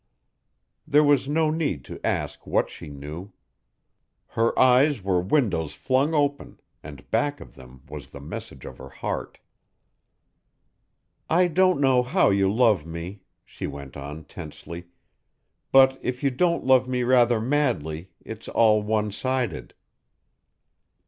There was no need to ask what she knew. Her eyes were windows flung open and back of them was the message of her heart. "I don't know how you love me," she went on tensely, "but if you don't love me rather madly, it's all one sided."